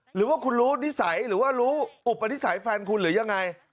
หรือว่าคุณรู้นิสัยหรือว่ารู้อุปนิสัยแฟนคุณหรือยังไง